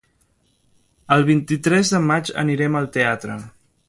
El vint-i-tres de maig anirem al teatre.